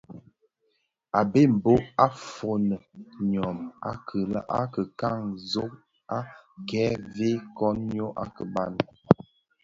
A mbembo a foňi ňyon a kikanzog a kè vëg koň ňyô a kiban.